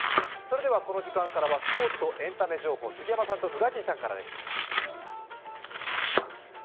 この時間からはスポーツとエンタメ情報、杉山さんと宇賀神さんからです。